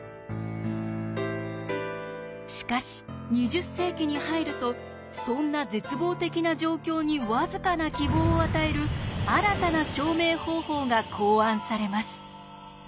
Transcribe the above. しかし２０世紀に入るとそんな絶望的な状況に僅かな希望を与える新たな証明方法が考案されます。